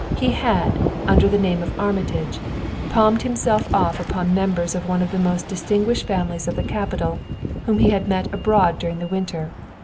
He had, under the name of Armitage, palmed himself off upon members of one of the most distinguished families of the capital, whom he had met abroad during the winter.